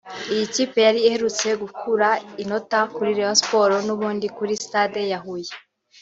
Iyi kipe yari iherutse gukura inota kuri Rayon Sports n’ubundi kuri Stade ya Huye